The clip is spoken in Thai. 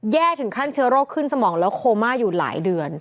ถึงขั้นเชื้อโรคขึ้นสมองแล้วโคม่าอยู่หลายเดือน